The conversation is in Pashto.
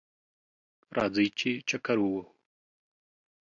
راځئ چه چکر ووهو